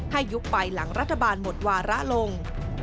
ยุบไปหลังรัฐบาลหมดวาระลง